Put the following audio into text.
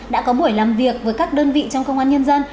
đã có buổi làm việc với các đơn vị trong công an nhân dân